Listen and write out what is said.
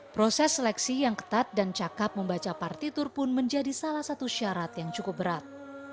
proses seleksi yang ketat dan cakep membaca partitur pun menjadi salah satu syarat yang cukup berat